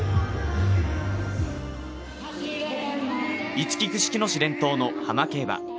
いちき串木野市伝統の浜競馬。